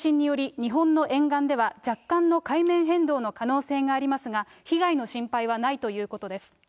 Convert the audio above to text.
この地震により日本の沿岸では若干の海面変動の可能性がありますが、被害の心配はないということです。